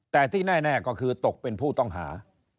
แต่ที่แน่ก็คือตกเป็นผู้ต้องหา